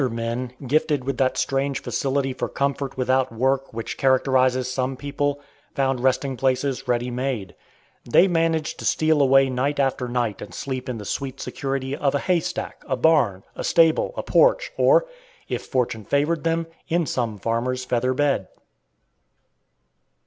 Other men, gifted with that strange facility for comfort without work which characterizes some people, found resting places ready made. They managed to steal away night after night and sleep in the sweet security of a haystack, a barn, a stable, a porch, or, if fortune favored them, in some farmer's feather bed.